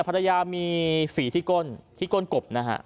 ภรรยามีฝีที่ก้นกบนะฮะ